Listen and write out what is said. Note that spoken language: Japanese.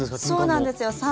そうなんですよ。